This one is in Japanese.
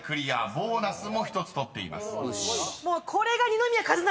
ボーナスも１つ取っています］